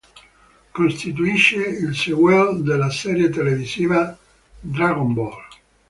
Costituisce il sequel della serie televisiva "Dragon Ball".